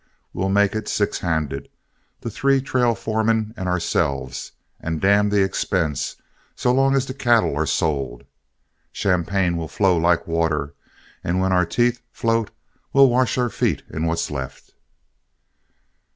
We'll make it six handed the three trail foremen and ourselves and damn the expense so long as the cattle are sold. Champagne will flow like water, and when our teeth float, we'll wash our feet in what's left."